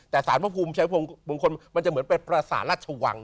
แต่สารพระภูมิใช้มงคลมันจะเหมือนเป็นภาษาราชวัง